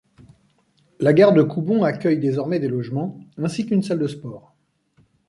La gare de Coubon accueille désormais des logements ainsi qu'une salle de sport.